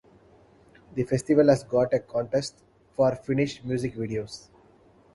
The festival has got a contest for Finnish music videos.